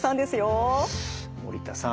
森田さん